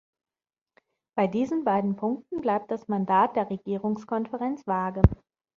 Bei diesen beiden Punkten bleibt das Mandat der Regierungskonferenz vage.